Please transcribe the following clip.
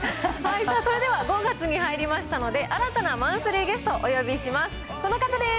さあ、それでは５月に入りましたので、新たなマンスリーゲスト、お呼びします。